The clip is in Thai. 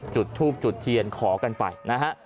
จุดทูบจุดเทียนขอกันไปนะฮะ